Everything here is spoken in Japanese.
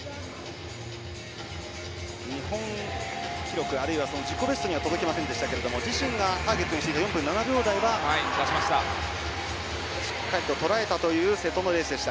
日本記録、あるいは自己ベストには届きませんでしたが自身がターゲットにしていた４分７秒台はしっかりととらえたという瀬戸のレースでした。